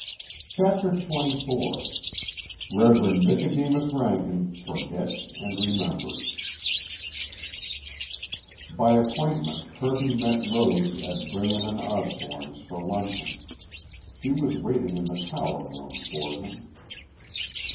CHAPTER XXIV REVEREND NICODEMUS RANKIN FORGETS AND REMEMBERS By appointment Kirby met Rose at Graham & Osborne's for luncheon. She was waiting in the tower room for him.